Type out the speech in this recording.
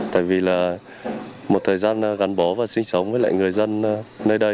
tại vì là một thời gian gắn bó và sinh sống với lại người dân nơi đây